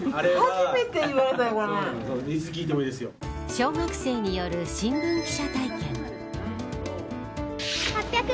小学生による新聞記者体験。